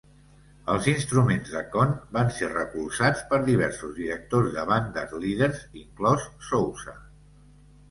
Els instruments de Conn van ser recolzats per diversos directors de bandes líders, inclòs Sousa.